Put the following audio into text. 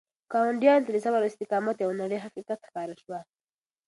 ګاونډیانو ته د صبر او استقامت یو نوی حقیقت ښکاره شو.